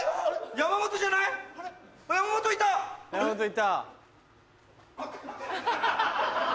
山本いた。